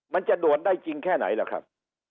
มันจะด่วนได้จริงแค่ไหนล่ะครับ